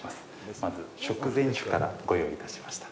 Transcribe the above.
まず、食前酒からご用意いたしました。